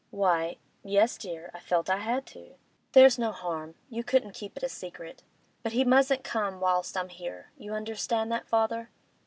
'Why—yes, dear—I felt I had to.' 'There's no harm. You couldn't keep it a secret. But he mustn't come whilst I'm here; you understand that, father?